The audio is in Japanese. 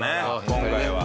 今回は。